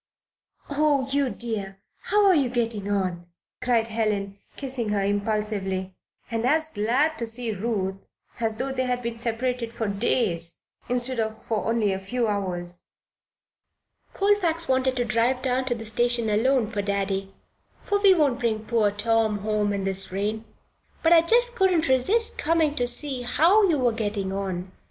"Oh, you dear! How are you getting on?" cried Helen, kissing her impulsively and as glad to see Ruth as though they had been separated for days instead of for only a few hours. "Colfax wanted to drive down to the station alone for Daddy for we won't bring poor Tom home in this rain but I just couldn't resist coming to see how you were getting on."